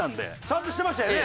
ちゃんとしてましたよね。